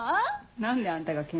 何であんたが謙遜？